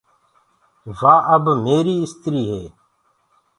وآ اب ميآريٚ استريٚ هي۔